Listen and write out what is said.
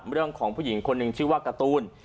เรื่องของผู้หญิงคนหนึ่งชื่อว่าการ์ตูน